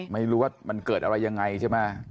ไม่รู้ว่ามันเกิดอะไรยังไงใช่ไหม